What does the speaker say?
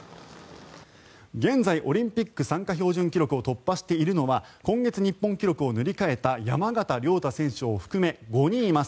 現在オリンピック参加標準記録を突破しているのは今月日本記録を塗り替えた山縣亮太選手を含め５人います。